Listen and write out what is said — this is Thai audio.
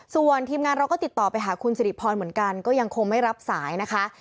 ส่วนทีมงานเราก็ติดต่อไปหาคุณสิริพรเหมือนกันก็ยังคงไม่รับสายนะคะ